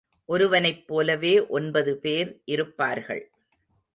ஒருவனைப் போலவே ஒன்பது பேர் இருப்பார்கள்.